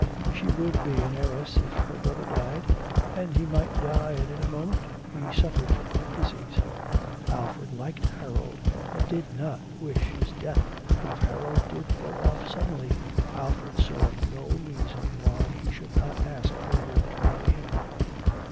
She would be an heiress if her brother died, and he might die at any moment, he suffered from heart disease. Alfred liked Harold, and did not wish his death, but if Harold did go off suddenly Alfred saw no reason why he should not ask Mildred to marry him.